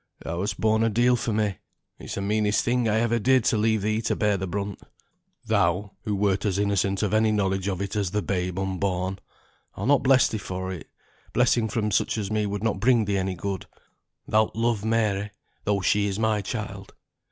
thou hast borne a deal for me. It's the meanest thing I ever did to leave thee to bear the brunt. Thou, who wert as innocent of any knowledge of it as the babe unborn. I'll not bless thee for it. Blessing from such as me would not bring thee any good. Thou'lt love Mary, though she is my child."